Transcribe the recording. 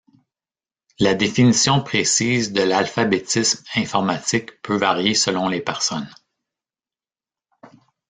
La définition précise de l’alphabétisme informatique peut varier selon les personnes.